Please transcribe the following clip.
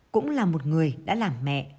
cũng là một người đã làm mẹ